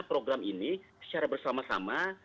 program ini secara bersama sama